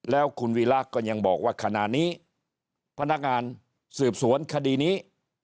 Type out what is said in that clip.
แล้วคุณวีระก็ยังบอกว่าขณะนี้พนักงานสืบสวนคดีนี้